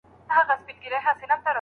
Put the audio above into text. تا خپل کار څنګه پيل کړ؟